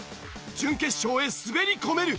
準決勝へ滑り込める！